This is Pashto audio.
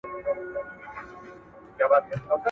تاسو بايد د خپل فکر منطق پيدا کړئ.